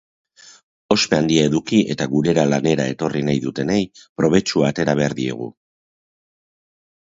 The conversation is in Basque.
Ospe handia eduki eta gurera lanera etorri nahi dutenei probetxua atera behar diegu.